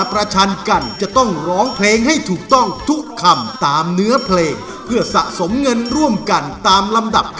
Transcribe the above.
ผมตอนนี้สี่ที่เบ็ดครับ